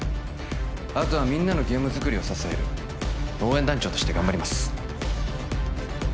あとはみんなのゲーム作りを支える応援団長として頑張ります